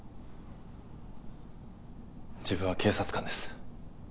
自分は警察官です。